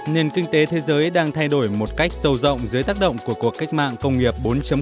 nền kinh tế thế giới đang thay đổi một cách sâu rộng dưới tác động của cuộc cách mạng công nghiệp bốn